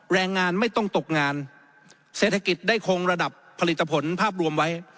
แรงงานไม่ต้องตกงานเศรษฐกิจได้คงระดับผลิตผลภาพรวมไว้